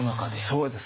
そうです。